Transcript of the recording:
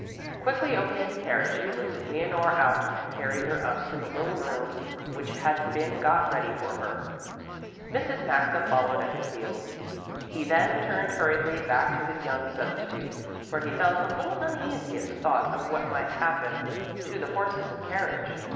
Quickly opening the carriage, he lifted Leonore out and carried her up to the little room which had been got ready for her. Mrs. Maxa followed at his heels. He then turned hurriedly back to his young substitute, for he felt a little uneasy at the thought of what might happen to the horses and carriage.